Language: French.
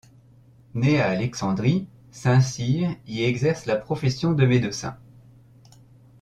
Né à Alexandrie, saint Cyr y exerce la profession de médecin.